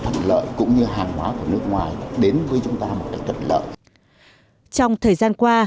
thuận lợi cũng như hàng hóa của nước ngoài đến với chúng ta một cách thuận lợi trong thời gian qua